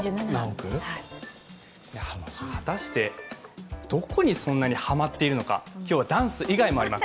果たして、どこにそんなにはまっているのか、今日はダンス以外もあります。